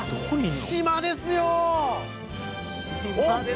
島ですよ！